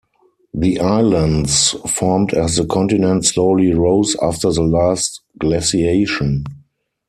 The islands formed as the continent slowly rose after the last glaciation.